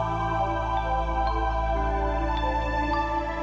โปรดติดตามตอนต่อไป